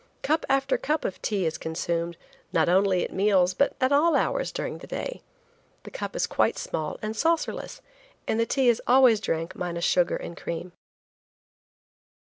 Cup after cup of tea is consumed, not only at meals, but at all hours during the day. The cup is quite small and saucerless, and the tea is always drank minus sugar and cream.